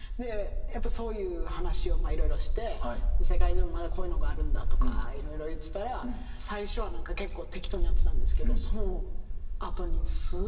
やっぱりそういう話をいろいろして世界でもまだこういうのがあるんだとかいろいろ言ってたら最初はなんか結構適当にやってたんですけどそのあとにすごい弾きだして。